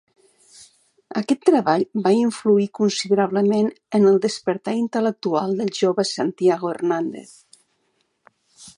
Aquest treball va influir considerablement en el despertar intel·lectual del jove Santiago Hernández.